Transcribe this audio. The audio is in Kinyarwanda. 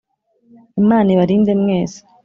imana ibarinde mwese